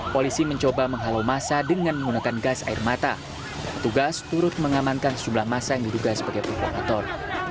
polisi mencoba menghalau masa dengan menggunakan gas air mata petugas turut mengamankan sejumlah masa yang diduga sebagai pembukator